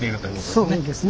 そうですね。